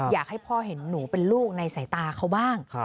อยากให้พ่อเห็นหนูเป็นลูกในสายตาเขาบ้าง